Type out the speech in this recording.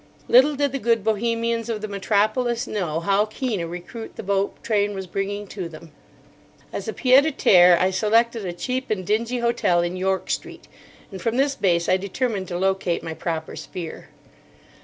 Little did the good Bohemians of the metropolis know how keen a recruit the boat train was bringing to them. As a pied à terre I selected a cheap and dingy hotel in York Street, and from this base I determined to locate my proper sphere.